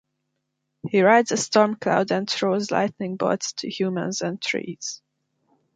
He rides a storm-cloud and throws lightning bolts to humans and trees.